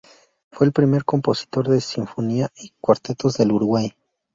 Fue el primer compositor de sinfonía y cuartetos del Uruguay.